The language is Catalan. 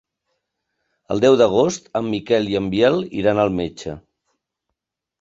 El deu d'agost en Miquel i en Biel iran al metge.